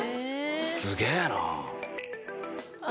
すげえなあ。